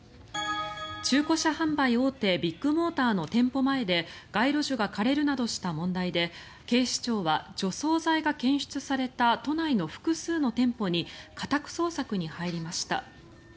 中古車販売大手ビッグモーターの店舗前で街路樹が枯れるなどした問題で警視庁は、除草剤が検出された都内の複数の店舗に家宅捜索に入りました。